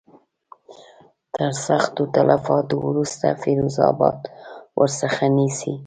تر سختو تلفاتو وروسته فیروز آباد ورڅخه نیسي.